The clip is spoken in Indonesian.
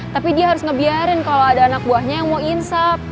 tapi dia harus ngebiarin kalau ada anak buahnya yang mau insaf